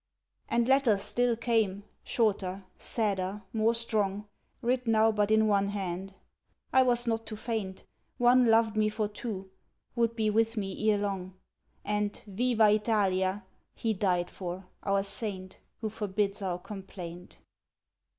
And letters still came, shorter, sadder, more strong, Writ now but in one hand. "I was not to faint. One loved me for two ... would be with me ere long: And 'Viva Italia' he died for, our saint, Who forbids our complaint."